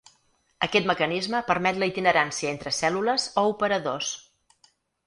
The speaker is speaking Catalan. Aquest mecanisme permet la itinerància entre cèl·lules o operadors.